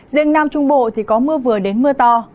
riêng nam trung bộ thì có mưa vừa đến mưa to